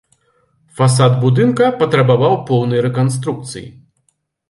Фасад будынка патрабаваў поўнай рэканструкцыі.